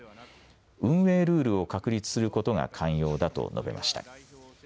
運営ルールを確立することが肝要だと述べました。